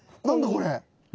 これ。